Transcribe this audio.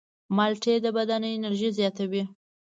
مالټې د بدن انرژي زیاتوي.